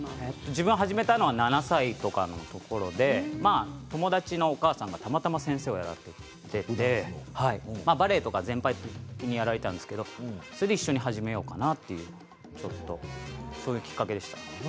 自分が始めたのは７歳とかのころで友達のお母さんが、たまたま先生をやられていてバレエとか全般的にやられていたんですけれどもそれで一緒に始めようかなとちょっとそういうきっかけでした。